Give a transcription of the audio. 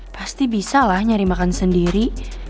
pasti bisa lah nyari makan sendiri